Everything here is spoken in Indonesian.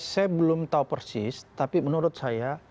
saya belum tahu persis tapi menurut saya